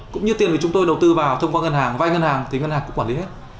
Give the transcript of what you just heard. cũng như tiền mà chúng tôi đầu tư vào thông qua ngân hàng vay ngân hàng thì ngân hàng cũng quản lý hết